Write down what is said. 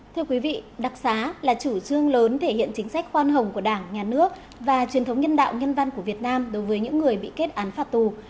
thưa quý vị đặc xá là chủ trương lớn thể hiện chính sách khoan hồng của đảng nhà nước và truyền thống nhân đạo nhân văn của việt nam đối với những người bị kết án phạt tù